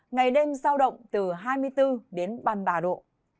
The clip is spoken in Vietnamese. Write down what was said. ngày đêm giao động từ hai mươi bốn đến ba mươi ba độ